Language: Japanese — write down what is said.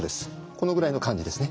このぐらいの感じですね。